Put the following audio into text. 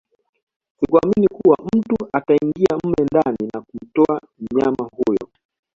Sikuamini kuwa mtu ataingia mle ndani na kumtoa mnyama huyo